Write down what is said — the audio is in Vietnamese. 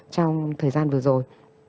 trong thời gian vừa rồi